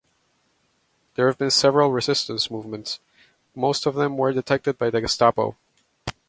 There have been several resistance movements, most of them were detected by the Gestapo.